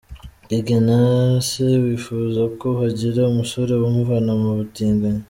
Gigi na se wifuza ko hagira umusore umuvana mu butinganyi.